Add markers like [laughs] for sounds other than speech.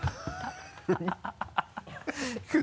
ハハハ [laughs]